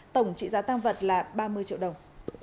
tổng trị giá tăng vật là ba mươi triệu đồng